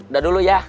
udah dulu ya